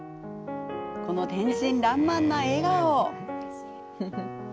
天真らんまんな笑顔。